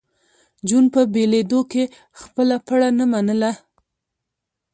جون په بېلېدو کې خپله پړه نه منله